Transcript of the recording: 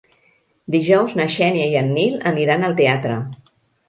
Dijous na Xènia i en Nil aniran al teatre.